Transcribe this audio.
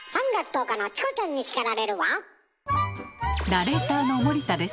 ナレーターの森田です。